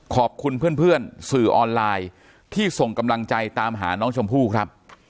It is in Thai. ขอบคุณเพื่อนสื่อออนไลน์ที่ส่งกำลังใจตามหาน้องชมพู่ครับ